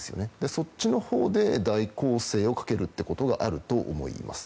そっちのほうで大攻勢をかけるってことがあると思います。